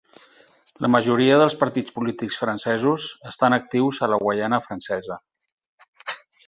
La majoria dels partits polítics francesos estan actius a la Guaiana Francesa.